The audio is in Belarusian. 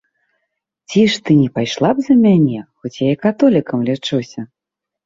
Ці ж ты не пайшла б за мяне, хоць я і католікам лічуся?